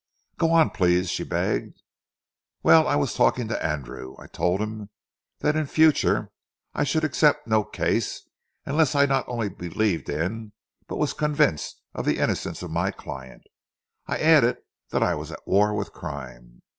"Go on, please," she begged. "Well, I was talking to Andrew. I told him that in future I should accept no case unless I not only believed in but was convinced of the innocence of my client. I added that I was at war with crime.